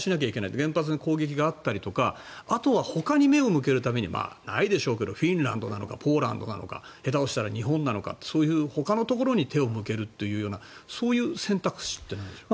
原発に攻撃があったりとかあとはほかに目を向けるためにないでしょうけどフィンランドなのかポーランドなのが下手をしたら日本なのかそういうほかのところに手を向けるというそういう選択肢ってあるんですか。